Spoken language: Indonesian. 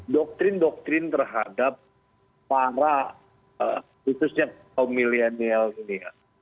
doktrin doktrin terhadap para khususnya kaum milenial ini ya